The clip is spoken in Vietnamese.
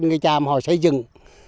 người tràm họ xây dựng